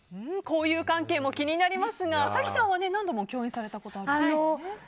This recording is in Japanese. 交友関係も気になりますが早紀さんは何度も共演されたことがあるんですよね。